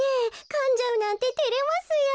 かんじゃうなんててれますよ。